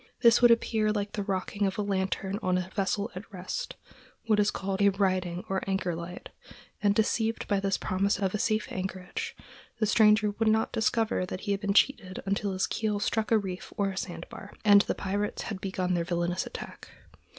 This would appear like the rocking of a lantern on a vessel at rest—what is called a riding or anchor light; and, deceived by this promise of a safe anchorage, the stranger would not discover that he had been cheated until his keel struck a reef or sandbar, and the pirates had begun their villainous attack.